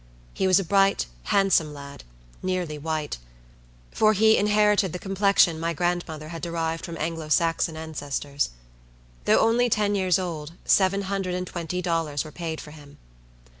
He was a bright, handsome lad, nearly white; for he inherited the complexion my grandmother had derived from Anglo Saxon ancestors. Though only ten years old, seven hundred and twenty dollars were paid for him.